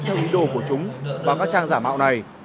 theo ý đồ của chúng và các trang giả mạo này